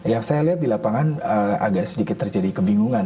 yang saya lihat di lapangan agak sedikit terjadi kebingungan